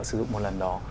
sử dụng một lần đó